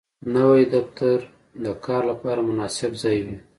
نوی دفتر د کار لپاره مناسب ځای وي